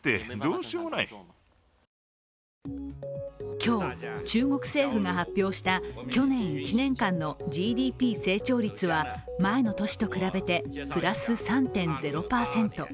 今日、中国政府が発表した去年１年間のＧＤＰ成長率は前の年と比べてプラス３．０％。